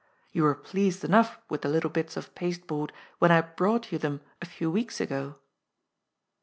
^'Yon were pleased enough with the little bits of pasteboard when I brought you them a few weeks ago."